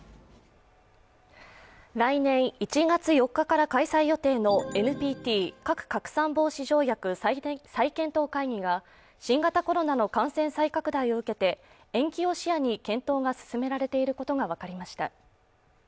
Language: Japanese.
来年１月４日から開催予定のＮＰＴ＝核拡散防止条約再検討会議が新型コロナの感染再拡大を受けて、延期を視野に検討が進められていることが分かりました。